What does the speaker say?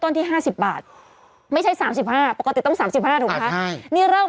เงียบ